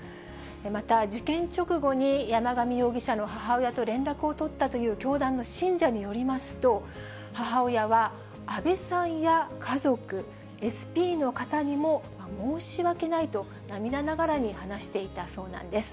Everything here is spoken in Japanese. また、事件直後に山上容疑者の母親と連絡を取ったという教団の信者によりますと、母親は、安倍さんや家族、ＳＰの方にも申し訳ないと、涙ながらに話していたそうなんです。